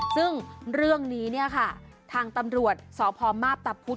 ซึ่งเรื่องนี้เนี่ยค่ะทางตำรวจสพมาพตะพุธ